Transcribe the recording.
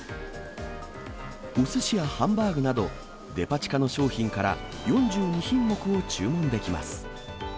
おすしやハンバーグなど、デパ地下の商品から４２品目を注文できます。